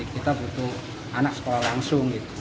kita butuh anak sekolah langsung